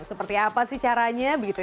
seperti apa sih caranya